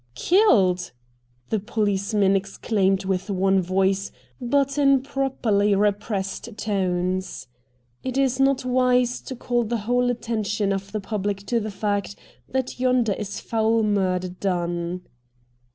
' Killed !' the policemen exclaimed with one voice, but in properly repressed tones. It is not wise to call the whole attention of the public to the fact that yonder is foul murder done.